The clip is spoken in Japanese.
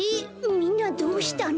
みんなどうしたの？